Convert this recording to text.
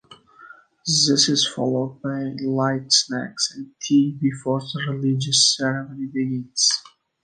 This is followed by light snacks and tea before the religious ceremony begins.